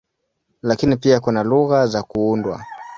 Lakini pia kuna lugha za kuundwa.